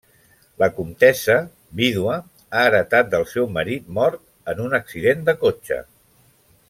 La Comtessa, vídua, ha heretat del seu marit mort en un accident de cotxe.